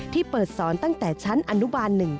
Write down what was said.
ที่เปิดสอนตั้งแต่ชั้นอนุบาล๑